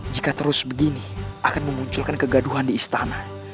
jika terus begini akan memunculkan kegaduhan di istana